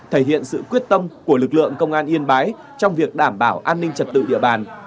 thể hiện sự quyết tâm của lực lượng công an yên bái trong việc đảm bảo an ninh trật tự địa bàn